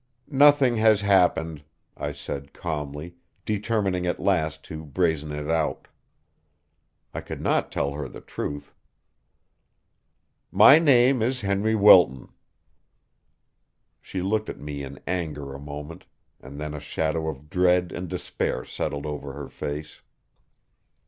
"Nothing has happened," I said calmly, determining at last to brazen it out. I could not tell her the truth. "My name is Henry Wilton." She looked at me in anger a moment, and then a shadow of dread and despair settled over her face.